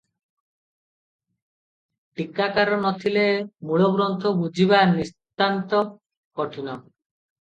ଟୀକାକାର ନଥିଲେ ମୂଳଗ୍ରନ୍ଥ ବୁଝିବା ନିତାନ୍ତ କଠିନ ।